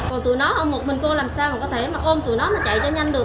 còn tụi nó một mình cô làm sao mà có thể ôm tụi nó mà chạy cho nhanh được